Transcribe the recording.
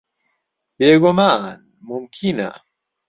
بێگومان، مومکینە.